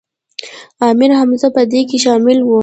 امیر حمزه په دې کې شامل و.